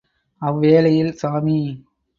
அவ்வேளையில் சாமி!